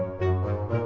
gak ada apa apa